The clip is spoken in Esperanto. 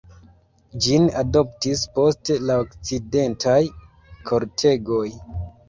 Ĝin adoptis poste la okcidentaj kortegoj.